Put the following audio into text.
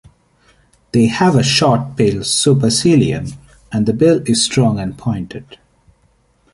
They have a short pale supercilium, and the bill is strong and pointed.